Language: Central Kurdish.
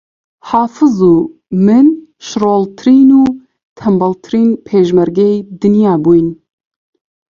حافز و من شڕۆڵترین و تەنبەڵترین پێشمەرگەی دنیا بووین